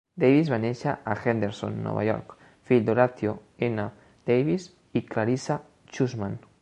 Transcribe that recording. Davis va néixer a Henderson, Nova York, fill d'Horatio N. Davis i Clarissa Cushman.